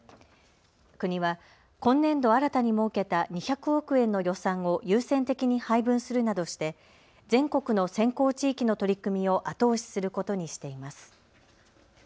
国は今年度、新たに設けた２００億円の予算を優先的に配分するなどして全国の先行地域の取り組みを後押しすることにしています。